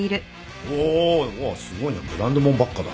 おすごいなブランド物ばっかだ。